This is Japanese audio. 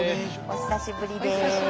お久しぶりです。